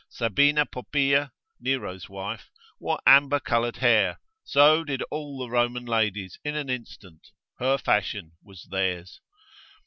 Sabina Poppea, Nero's wife, wore amber coloured hair, so did all the Roman ladies in an instant, her fashion was theirs.